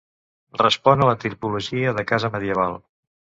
Respon a la tipologia de casa medieval.